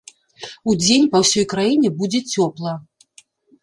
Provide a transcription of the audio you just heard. Удзень па ўсёй краіне будзе цёпла.